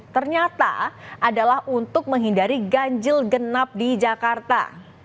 ternyata adalah untuk menghindari ganjil genap di jakarta